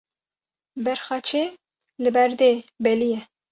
Berxa çê li ber dê belî ye